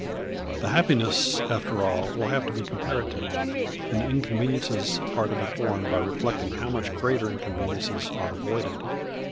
The happiness, after all, will have to be comparative; and the inconveniences are to be borne by reflecting how much greater inconveniences are avoided.